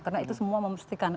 karena itu semua memastikan